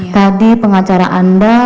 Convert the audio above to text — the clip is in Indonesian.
tadi pengacara anda